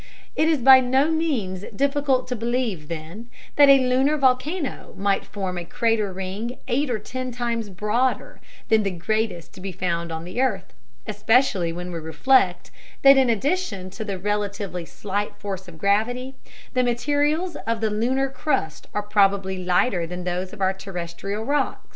It is by no means difficult to believe, then, that a lunar volcano might form a crater ring eight or ten times broader than the greatest to be found on the earth, especially when we reflect that in addition to the relatively slight force of gravity, the materials of the lunar crust are probably lighter than those of our terrestrial rocks.